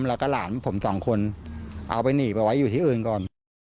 แล้วก็หลานผมสองคนเอาไปหนีไปไว้อยู่ที่อื่นก่อน